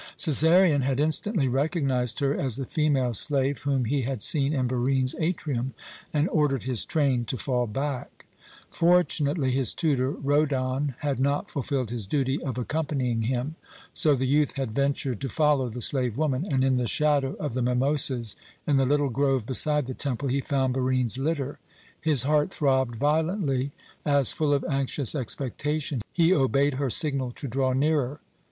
Cæsarion had instantly recognized her as the female slave whom he had seen in Barine's atrium, and ordered his train to fall back. Fortunately his tutor, Rhodon, had not fulfilled his duty of accompanying him. So the youth had ventured to follow the slave woman, and in the shadow of the mimosas, in the little grove beside the temple, he found Barine's litter. His heart throbbed violently as, full of anxious expectation, he obeyed her signal to draw nearer.